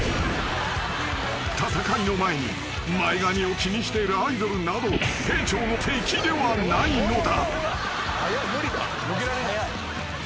［戦いの前に前髪を気にしているアイドルなど兵長の敵ではないのだ］